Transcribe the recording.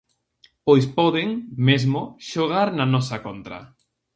Pois poden, mesmo, xogar na nosa contra.